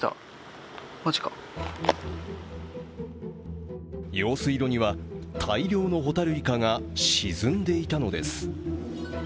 マジか用水路には大量のホタルイカが沈んでいたのです。